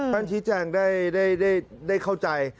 ท่านชิจังได้เข้าใจ